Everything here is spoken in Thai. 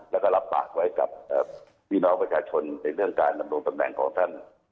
แล้วก็รับปากไว้กับพี่น้องประชาชนในเรื่องการดำรงตำแหน่งของท่าน